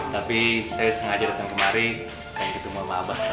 tapi saya sengaja datang kemari pengen ketemu sama abah